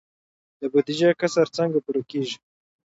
د بودیجې کسر څنګه پوره کیږي؟